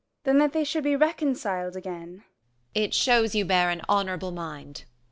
Gon. Than that they should be reconciled again. Amb. It shews you bear an honourable mind. Gon.